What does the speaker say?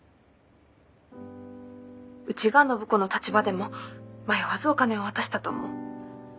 ☎うちが暢子の立場でも迷わずお金を渡したと思う。